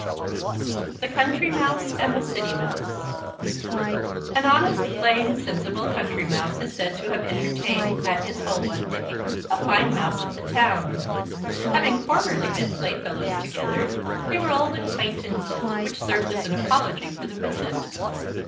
THE COUNTRY MOUSE AND THE CITY MOUSE An honest, plain, sensible Country Mouse is said to have entertained at his hole one day a fine Mouse of the Town. Having formerly been playfellows together, they were old acquaintances, which served as an apology for the visit.